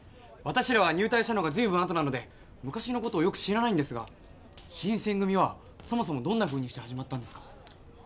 私らは入隊したのが随分あとなので昔の事をよく知らないんですが新選組はそもそもどんなふうにして始まったんですか？